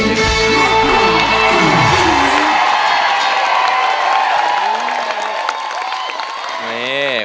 ร้องได้ให้ร้อง